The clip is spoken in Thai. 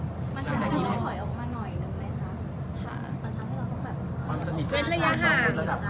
มันทำให้เราถอยออกมาหน่อยหนึ่งเลยนะ